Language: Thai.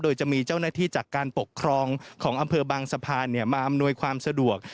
โดยจะมีเจ้าหน้าที่จากการปกครองของอำเภอบางสะพานมาอำนวยความสะดวก